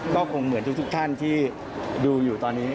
ก็คงเหมือนทุกท่านที่ดูอยู่ตอนนี้